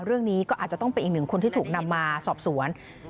เรื่องนี้ก็อาจจะต้องเป็นอีกหนึ่งคนที่ถูกนำมาสอบสวน